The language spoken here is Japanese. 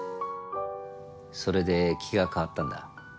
それで気が変わったんだ。